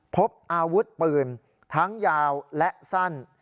พบอาวุธปืนทั้งยาวและสั้น